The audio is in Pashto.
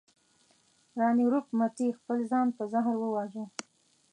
راني روپ متي خپل ځان په زهر وواژه.